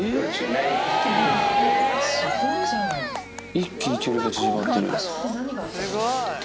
一気に距離が縮まってる。